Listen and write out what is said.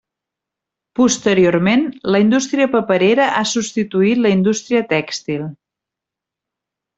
Posteriorment, la indústria paperera ha substituït la indústria tèxtil.